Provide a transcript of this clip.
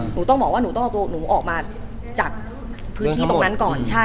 หนูต้องบอกว่าหนูต้องเอาตัวหนูออกมาจากพื้นที่ตรงนั้นก่อน